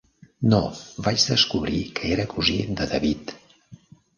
No, vaig descobrir que era cosí de David.